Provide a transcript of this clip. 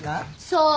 そう。